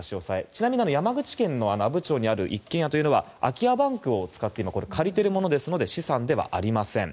ちなみに山口県阿武町にある一軒家というのは空き家バンクを使って借りているものですので資産ではありません。